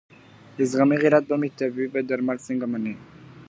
زخمي غیرت به مي طبیبه درمل څنګه مني .